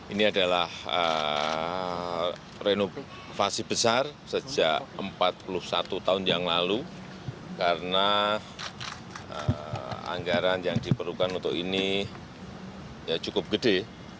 ini adalah renovasi besar sejak empat puluh satu tahun yang lalu karena anggaran yang diperlukan untuk ini cukup gede